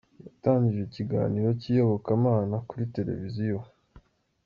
yatangije ikiganiro cy’iyobokamana kuri televiziyo